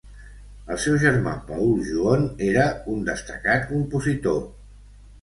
El seu germà Paul Juon era un destacat compositor.